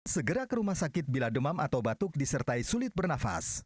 segera ke rumah sakit bila demam atau batuk disertai sulit bernafas